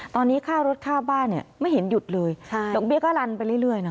ตอนนี้ข้ารถข้าบ้านไม่เห็นหยุดเลยหลงเบี้ยก็รันไปเรื่อยเนอะ